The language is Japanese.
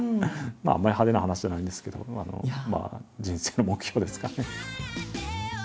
あんまり派手な話じゃないんですけど人生の目標ですかね。